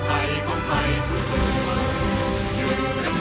ด้วยเธอรวมควายรักสามัญให้มีรักสงม